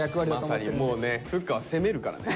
まさにもうねフッカは攻めるからね。